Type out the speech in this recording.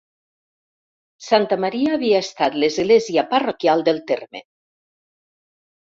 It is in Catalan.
Santa Maria havia estat l'església parroquial del terme.